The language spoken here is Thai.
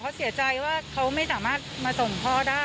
เพราะเสียใจว่าโดยเขาไม่สามารถสมต้องพ่อได้